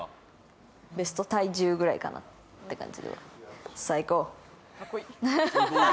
ベスト体重くらいかなって感じ。